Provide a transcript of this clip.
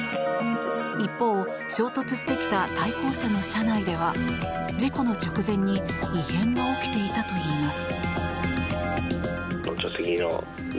一方、衝突してきた対向車の車内では事故の直前に異変が起きていたといいます。